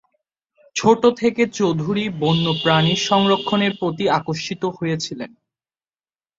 ছোট থেকে চৌধুরী বন্যপ্রাণীর সংরক্ষণের প্রতি আকর্ষিত হয়েছিলেন।